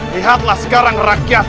lihatlah sekarang rakyatmu